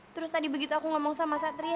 terus tadi begitu aku ngomong sama satria